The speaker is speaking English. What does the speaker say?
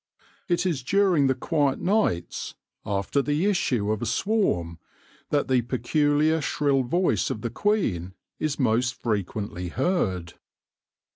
It is during the quiet nights, after the issue of a swarm, that the peculiar shrill voice of the queen is most frequently heard.